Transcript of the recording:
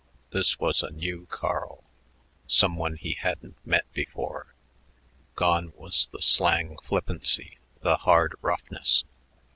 This was a new Carl, some one he hadn't met before. Gone was the slang flippancy, the hard roughness.